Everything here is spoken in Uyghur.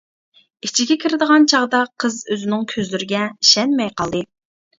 ئىچىگە كىرىدىغان چاغدا قىز ئۆزىنىڭ كۆزلىرىگە ئىشەنمەي قالدى.